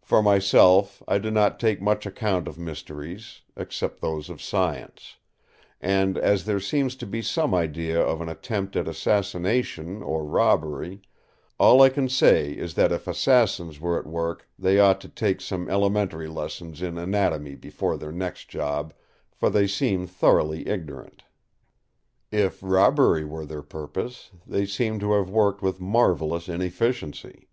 For myself I do not take much account of mysteries—except those of science; and as there seems to be some idea of an attempt at assassination or robbery, all I can say is that if assassins were at work they ought to take some elementary lessons in anatomy before their next job, for they seem thoroughly ignorant. If robbery were their purpose, they seem to have worked with marvellous inefficiency.